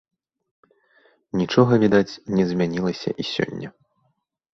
Нічога, відаць, не змянілася і сёння.